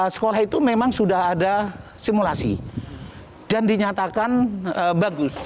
sekolah itu memang sudah ada simulasi dan dinyatakan bagus